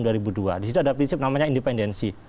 di situ ada prinsip namanya independensi